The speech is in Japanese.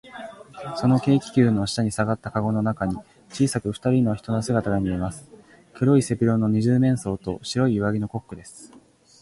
その軽気球の下にさがったかごの中に、小さくふたりの人の姿がみえます。黒い背広の二十面相と、白い上着のコックです。